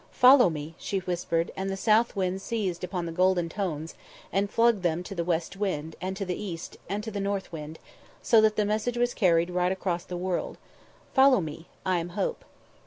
"Follow me," she whispered, and the south wind seized upon the golden tones, and flung them to the west wind, and to the east, and to the north wind, so that the message was carried right across the world: "Follow me I am Hope."